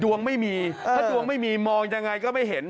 ดวงไม่มีถ้าดวงไม่มีมองยังไงก็ไม่เห็น